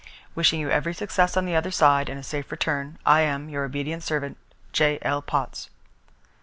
"Wishing you every success on the other side, and a safe return, "I am, "Your obedient servant, "J.L. POTTS."